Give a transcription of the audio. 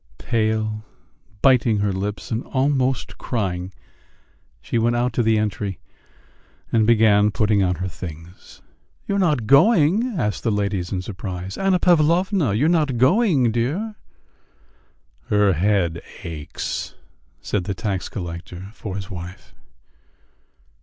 Pale, biting her lips, and almost crying, she went out to the entry and began putting on her things. "You are not going?" asked the ladies in surprise. "Anna Pavlovna, you are not going, dear?" "Her head aches," said the tax collector for his wife.